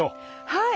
はい。